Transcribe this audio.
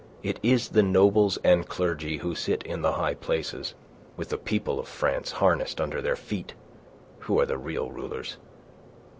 It is the nobles and clergy who sit in the high places, with the people of France harnessed under their feet, who are the real rulers.